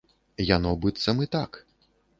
Яно быццам і так.